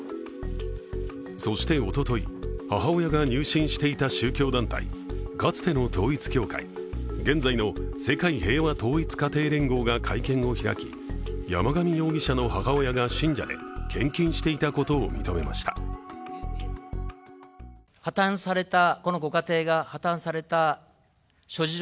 そしておととい、母親が入信していた宗教団体かつての統一教会、現在の世界平和統一家庭連合が会見を開き山上容疑者の母親が信者で、献金していたことを認めました。